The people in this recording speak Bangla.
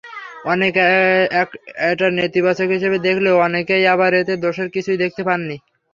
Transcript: অনেকে এটা নেতিবাচক হিসেবে দেখলেও, অনেকেই আবার এতে দোষের কিছুই দেখতে পাননি।